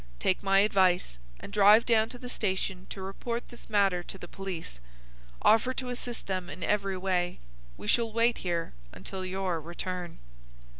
"Take my advice, and drive down to the station to report this matter to the police. Offer to assist them in every way. We shall wait here until your return."